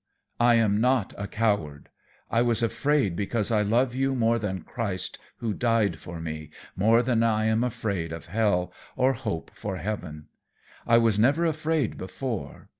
I am not a coward; I was afraid because I love you more than Christ who died for me, more than I am afraid of hell, or hope for heaven. I was never afraid before.